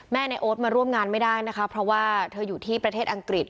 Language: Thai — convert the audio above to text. ในโอ๊ตมาร่วมงานไม่ได้นะคะเพราะว่าเธออยู่ที่ประเทศอังกฤษ